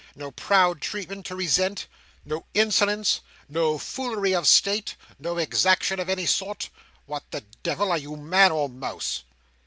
No proud treatment to resent, no insolence, no foolery of state, no exaction of any sort! What the devil! are you man or mouse?"